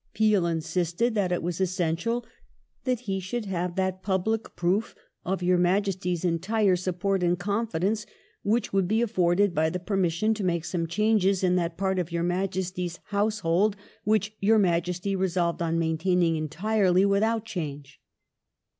Peel insisted that it was essential ( that *' he should have that public proof of your Majesty's entire support and confidence which would be afforded by the permission to make some changes in that part of your Majesty's Household which your Majesty resolved on maintaining entirely without change".